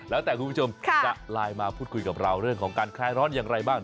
แล้วแต่คุณผู้ชมจะไลน์มาพูดคุยกับเราเรื่องของการคลายร้อนอย่างไรบ้าง